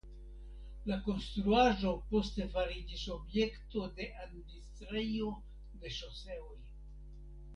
La konstruaĵo poste fariĝis objekto de administrejo de ŝoseoj.